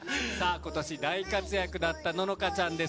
今年大活躍だった乃々佳ちゃんです。